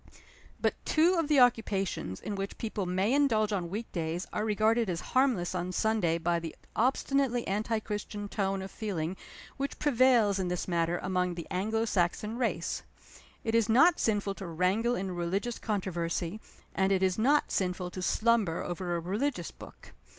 But two of the occupations in which people may indulge on week days are regarded as harmless on Sunday by the obstinately anti Christian tone of feeling which prevails in this matter among the Anglo Saxon race. It is not sinful to wrangle in religious controversy; and it is not sinful to slumber over a religious book.